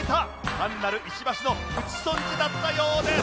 単なる石橋の打ち損じだったようです。